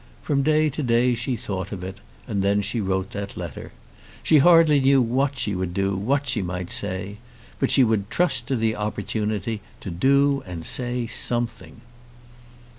From day to day she thought of it, and then she wrote that letter. She hardly knew what she would do, what she might say; but she would trust to the opportunity to do and say something.